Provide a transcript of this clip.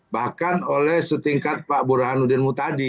bahkan oleh setingkat pak burahanudinmu tadi